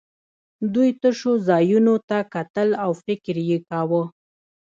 دوی تشو ځایونو ته کتل او فکر یې کاوه